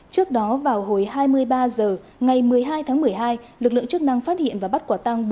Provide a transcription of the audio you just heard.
trước đó vào hồi hai mươi ba h ngày một mươi hai tháng một mươi hai lực lượng chức năng phát hiện và bắt quả tăng